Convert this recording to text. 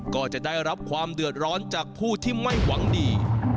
ก็จะได้รับความเดือดร้อนจากผู้ที่ไม่หวังดี